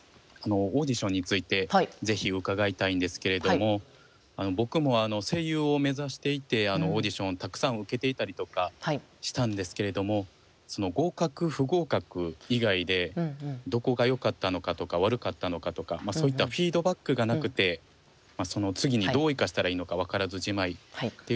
オーディションについてぜひ伺いたいんですけれども僕も声優を目指していてオーディションをたくさん受けていたりとかしたんですけれども合格不合格以外でどこがよかったのかとか悪かったのかとかそういったフィードバックがなくてその次にどう生かしたらいいのか分からずじまいっていうところがちょっと悩みで。